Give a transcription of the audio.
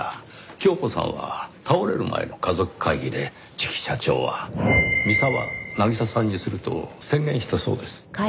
恭子さんは倒れる前の家族会議で次期社長は三澤渚さんにすると宣言したそうです。